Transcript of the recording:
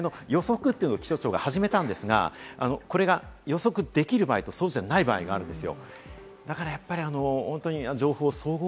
ただ、線状降水帯の予測を気象庁が始めたんですが、これが予測できる場合と、そうじゃない場合があるんです。